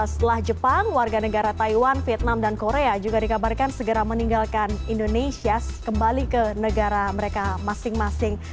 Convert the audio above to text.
setelah jepang warga negara taiwan vietnam dan korea juga dikabarkan segera meninggalkan indonesia kembali ke negara mereka masing masing